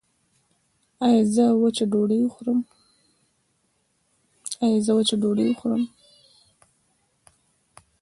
ایا زه وچه ډوډۍ وخورم؟